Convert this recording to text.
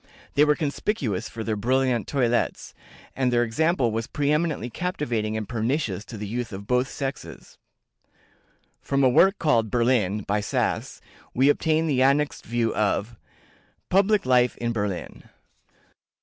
They were conspicuous for their brilliant toilettes, and their example was pre eminently captivating and pernicious to the youth of both sexes." From a work called "Berlin," by Sass, we obtain the annexed view of PUBLIC LIFE IN BERLIN.